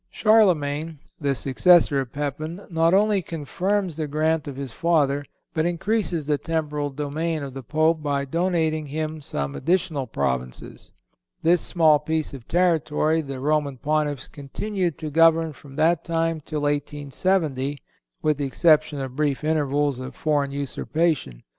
Charlemagne, the successor of Pepin, not only confirms the grant of his father, but increases the temporal domain of the Pope by donating him some additional provinces. This small piece of territory the Roman Pontiffs continued to govern from that time till 1870, with the exception of brief intervals of foreign usurpation.